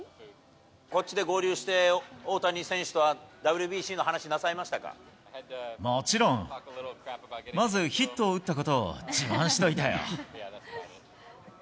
こっちで合流して大谷選手ともちろん、まずヒットを打ったことを自慢しといたよ。